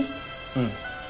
うん。